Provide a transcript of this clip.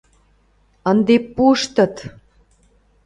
— Ынде пуштыт!